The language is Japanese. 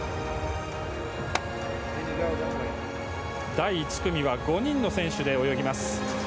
第１組は５人の選手で泳ぎます。